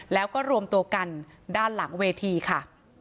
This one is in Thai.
แล้วก็รวมตัวกันด้านหลังเวทีค่ะ